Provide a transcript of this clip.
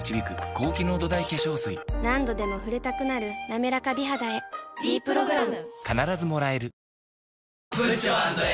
何度でも触れたくなる「なめらか美肌」へ「ｄプログラム」